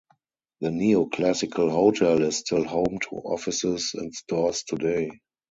The neo-classical hotel is still home to offices and stores today.